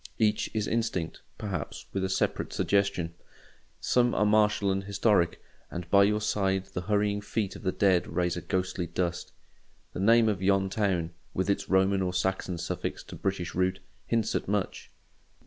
Each is instinct, perhaps, with a separate suggestion. Some are martial and historic, and by your side the hurrying feet of the dead raise a ghostly dust. The name of yon town—with its Roman or Saxon suffix to British root—hints at much.